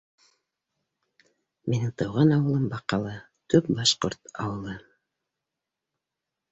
Минең тыуған ауылым Баҡалы — төп башҡорт ауылы.